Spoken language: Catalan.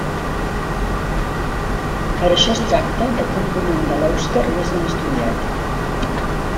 Per això es tracta del component de l'èuscar més ben estudiat.